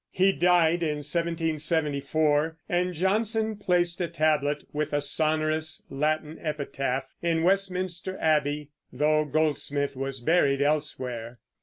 He died in 1774, and Johnson placed a tablet, with a sonorous Latin epitaph, in Westminster Abbey, though Goldsmith was buried elsewhere.